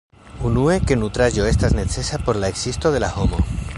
Unue, ke nutraĵo estas necesa por la ekzisto de la homo.